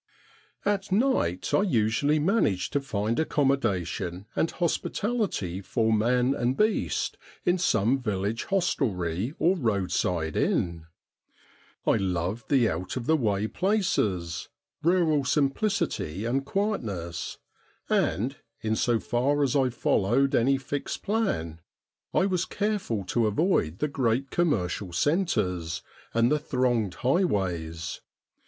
At night I usually managed to find accommodation and hos pitality for man and beast in some village hostelry or roadside 80 STORIES WEIRD AND WONDERFUL inn. I loved out of the way places, rural simplicity and quietness, and, in so far as I followed any fixed plan, I was careful to avoid the great commercial centres, and the thronged highways.